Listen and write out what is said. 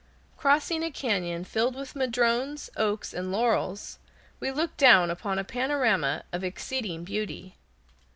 Crossing a cañon filled with madrones, oaks, and laurels, we look down upon a panorama of exceeding beauty.